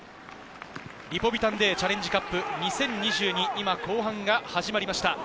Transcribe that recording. リポビタンＤチャレンジカップ２０２２、今、後半が始まりました。